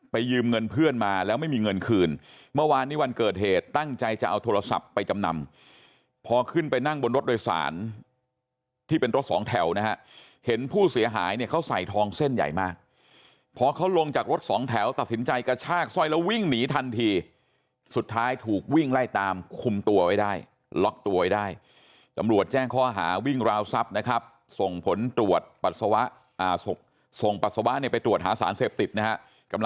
ไปยืมเงินเพื่อนมาแล้วไม่มีเงินคืนเมื่อวานนี้วันเกิดเหตุตั้งใจจะเอาโทรศัพท์ไปจำนำพอขึ้นไปนั่งบนรถโดยสารที่เป็นรถสองแถวนะฮะเห็นผู้เสียหายเนี่ยเขาใส่ทองเส้นใหญ่มากพอเขาลงจากรถสองแถวตัดสินใจกระชากสร้อยแล้ววิ่งหนีทันทีสุดท้ายถูกวิ่งไล่ตามคุมตัวไว้ได้ล็อกตัวไว้ได้กํ